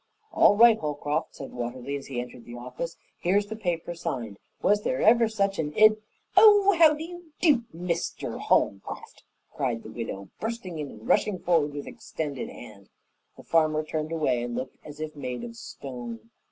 "All right, Holcroft!" said Watterly, as he entered the office, "here's the paper signed. Was there ever such an id " "Oh, how do you do, Mr. Holcroft?" cried the widow, bursting in and rushing forward with extended hand. The farmer turned away and looked as if made of stone.